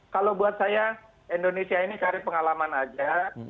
kalau buat saya indonesia ini cari pengalaman aja